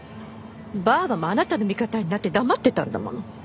ばあばもあなたの味方になって黙ってたんだもの。